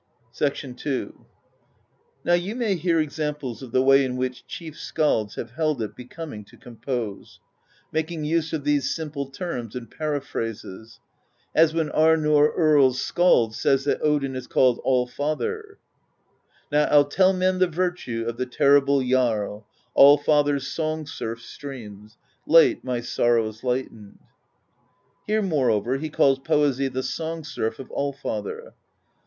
11. "Now you may hear examples of the way in which Chief Skalds have held it becoming to compose, making use of these simple terms and periphrases: as when Arnorr Earls' Skald says that Odin is called Allfather: Now I'll tell men the virtue Of the terrible Jarl; Allfather's Song Surf streams; Late my sorrows lighten. Here, moreover, he calls poesy the Song Surf of Allfather.